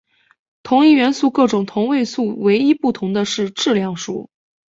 同一元素各种同位素唯一不同的是质量数。